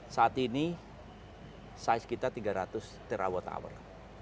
saat ini size kita tiga ratus terawatt hour